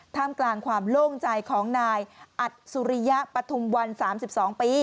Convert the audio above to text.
ท่ามกลางความโล่งใจของนายอัดสุริยะปฐุมวัน๓๒ปี